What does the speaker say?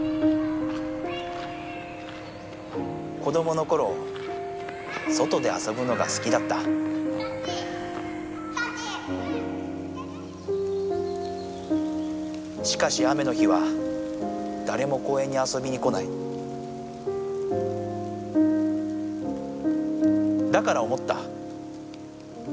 子どものころ外であそぶのがすきだったしかし雨の日はだれも公園にあそびに来ないだから思った。